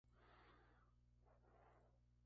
No es ni muy agresivo ni muy autoritario.